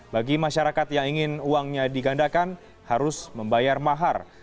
bagi masyarakat yang ingin uangnya digandakan harus membayar mahar